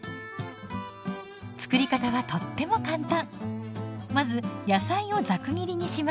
作り方はとっても簡単。